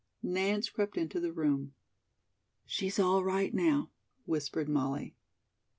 Nance crept into the room. "She's all right now," whispered Molly.